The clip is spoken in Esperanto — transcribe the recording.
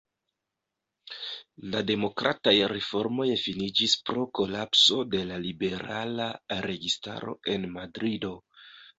La demokrataj reformoj finiĝis pro kolapso de la liberala registaro en Madrido.